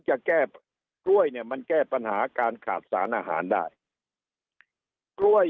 จะแก้กล้วยเนี่ยมันแก้ปัญหาการขาดสารอาหารได้กล้วย